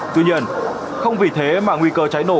tuy nhiên không vì thế mà nguy cơ cháy nổ